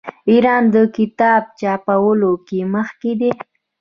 ایران د کتاب چاپولو کې مخکې دی.